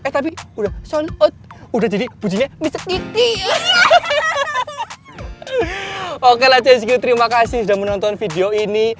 terima kasih sudah menonton video ini